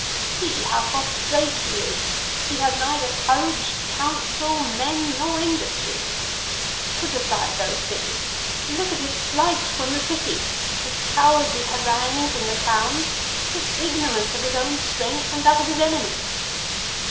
" See how prostrate he is. He has neither courage, counsel, men, nor industry ! Put aside those things ; look at his flight from the city, his cowardly harangues in the towns, his ignorance of his own strength and that of his enemy